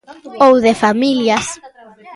Ou de familias.